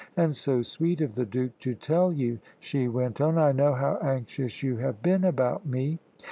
"And so sweet of the Duke to tell you," she went on. "I know how anxious you have been about me.